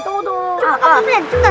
tunggu tunggu tunggu